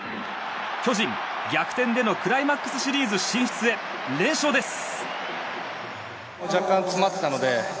巨人、逆転でのクライマックスシリーズ進出へ連勝です！